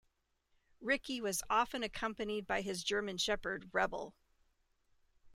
Ricky was often accompanied by his German Shepherd, Rebel.